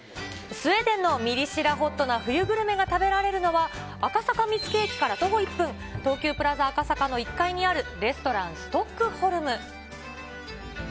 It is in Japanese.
スウェーデンのミリ知らＨＯＴな冬グルメが食べられるのは、赤坂見附駅から徒歩１分、東急プラザ赤坂の１階にあるレストラン・ストックホルム。